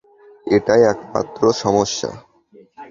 এটাই একমাত্র সমস্যা।